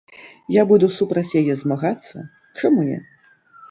Я буду супраць яе змагацца, чаму не.